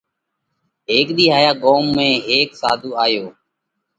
ھيڪ ۮِي ھايا ڳوم ۾ ھيڪ ساڌُو آيو